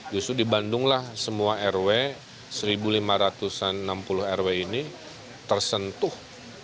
justru di bandung lah semua rw satu lima ratus enam puluh rw ini tersentuh